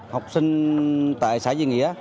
học sinh tại xã diên nghĩa